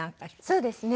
そうですね。